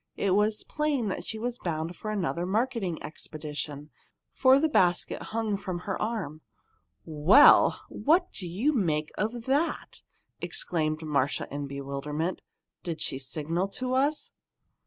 It was plain that she was bound on another marketing expedition for the basket hung from her arm. "Well! what do you make of that!" exclaimed Marcia in bewilderment. "Did she signal to us?"